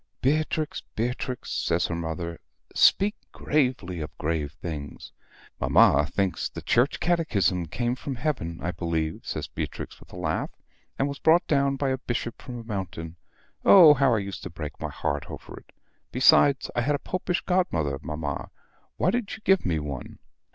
"Beatrix. Beatrix!" says her mother, "speak gravely of grave things." "Mamma thinks the Church Catechism came from heaven, I believe," says Beatrix, with a laugh, "and was brought down by a bishop from a mountain. Oh, how I used to break my heart over it! Besides, I had a Popish godmother, mamma; why did you give me one?"